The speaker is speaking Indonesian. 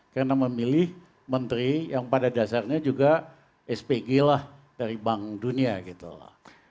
karena memilih menteri yang pada dasarnya juga spg lah dari bank dunia